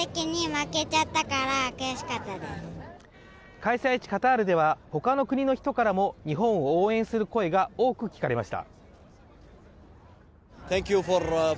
開催地カタールではほかの国の人からも日本を応援する声が多く聞かれました